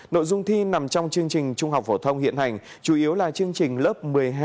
nội dung thi nằm trong chương trình trung học phổ thông hiện hành chủ yếu là chương trình lớp một mươi hai